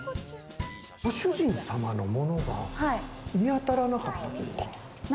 ご主人様のものが見当たらなかったというか。